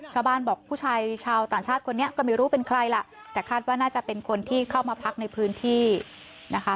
ชาวบ้านบอกผู้ชายชาวต่างชาติคนนี้ก็ไม่รู้เป็นใครล่ะแต่คาดว่าน่าจะเป็นคนที่เข้ามาพักในพื้นที่นะคะ